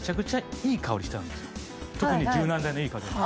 特に柔軟剤のいい香りが。